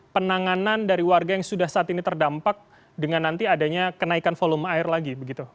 penanganan dari warga yang sudah saat ini terdampak dengan nanti adanya kenaikan volume air lagi begitu